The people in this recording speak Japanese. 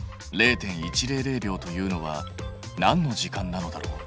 ０．１００秒というのは何の時間なのだろう？